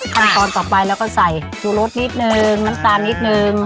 คันตอนต่อไปแล้วก็ใส่จุรสนิดนึงมันตาลนิดนึง